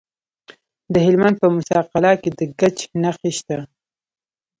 د هلمند په موسی قلعه کې د ګچ نښې شته.